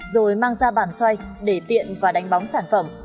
rồi mang ra bàn xoay để tiện và đánh bóng sản phẩm